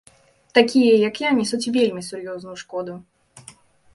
Такія, як я, нясуць вельмі сур'ёзную шкоду.